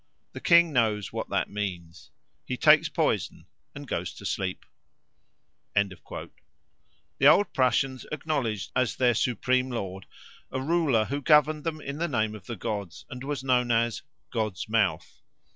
The king knows what that means. He takes poison and goes to sleep." The old Prussians acknowledged as their supreme lord a ruler who governed them in the name of the gods, and was known as "God's Mouth."